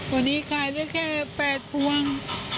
วันนี้ขายได้แค่๘พวง